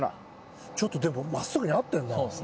ちょっとでも真っすぐに合ってるな。